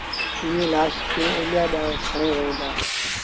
ائيٚݩ لآش کي اوليآ ڏآݩهݩ کڻي وهيݩ دآ